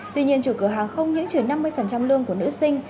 tuy nhiên chủ cửa hàng không những chuyển năm mươi lương của nữ sinh